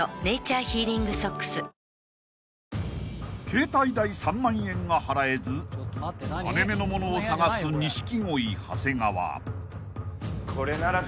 ［携帯代３万円が払えず金目の物を探す錦鯉長谷川］